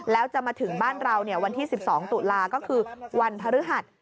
แล้วจะมาถึงบ้านเราวันที่๑๒ตุลาก็คือวันพฤหัส